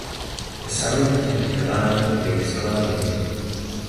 The summit can be climbed via scrambling.